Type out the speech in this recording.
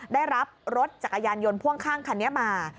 ได้รับรถจักรยานยนต์พ่วงข้างคันนี้มา